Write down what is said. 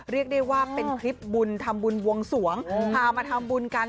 เรียกได้ว่าเป็นคลิปบุญทำบุญบวงสวงพามาทำบุญกัน